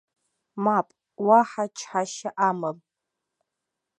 Мап, уаҳа чҳашьа амам!